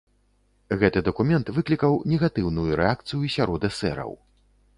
Гэты дакумент выклікаў негатыўную рэакцыю сярод эсэраў.